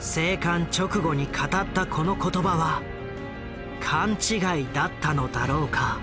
生還直後に語ったこの言葉は勘違いだったのだろうか？